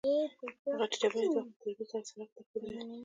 غټې ډبرې د وخت په تېرېدو سره سرک تخریبوي